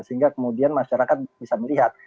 sehingga kemudian masyarakat bisa melihat